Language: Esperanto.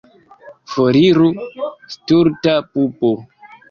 Foriru, stulta pupo!